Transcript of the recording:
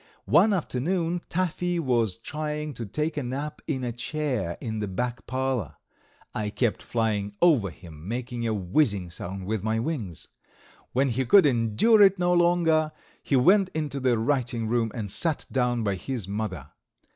One afternoon Taffy was trying to take a nap in a chair in the back parlor. I kept flying over him, making a whizzing sound with my wings. When he could endure it no longer he went into the writing room and sat down by his mother.